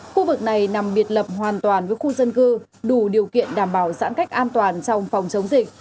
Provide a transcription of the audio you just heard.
khu vực này nằm biệt lập hoàn toàn với khu dân cư đủ điều kiện đảm bảo giãn cách an toàn trong phòng chống dịch